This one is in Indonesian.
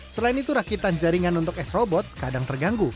selain itu rakitan jaringan untuk s robot kadang terganggu